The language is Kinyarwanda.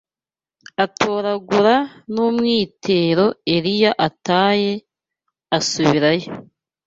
Atoragura n’umwitero Eliya ataye, asubirayo